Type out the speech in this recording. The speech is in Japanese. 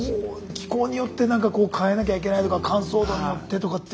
気候によってなんかこう変えなきゃいけないとか乾燥度によってとかって。